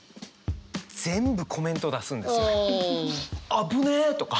「危ねえ！」とか。